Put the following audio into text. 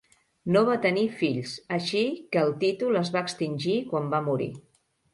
No va tenir fills, així que el títol es va extingir quan va morir.